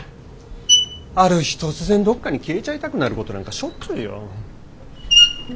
ある日突然どっかに消えちゃいたくなることなんかしょっちゅうよ。